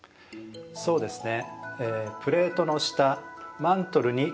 そうですね。